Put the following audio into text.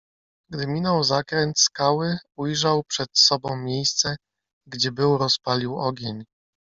"Gdy minął zakręt skały ujrzał przed sobą miejsce, gdzie był rozpalił ogień."